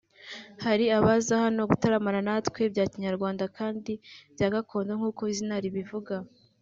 hari abaza hano gutaramana natwe bya Kinyarwanda kandi bya gakondo nkuko izina ribivuga